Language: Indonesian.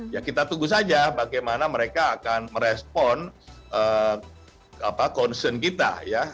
ya kita tunggu saja bagaimana mereka akan merespon concern kita ya